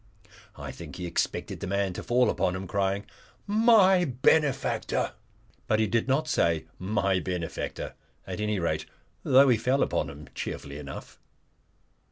I think he expected the man to fall upon him, crying "My benefactor!" But he did not say "My benefactor," at anyrate, though he fell upon him, cheerfully enough.